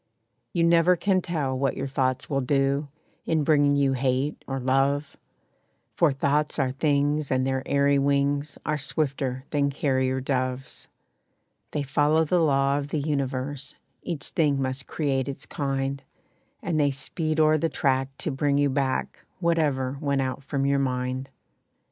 You never can tell what your thoughts will do, In bringing you hate or love; For thoughts are things, and their airy wings Are swifter than carrier doves. They follow the law of the universe Each thing must create its kind, And they speed o'er the track to bring you back Whatever went out from your mind.